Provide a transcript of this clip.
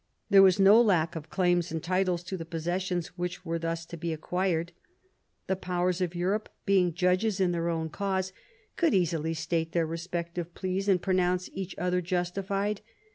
There was no lack of claims and titles to the possessions which were thus to be acquired. The powers of Europe, being judges in their own cause, could easily state their respective pleas and pronounce each other justified.